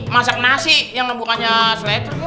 masak nasi yang namanya selesai